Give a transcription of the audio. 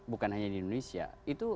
bukan hanya di indonesia itu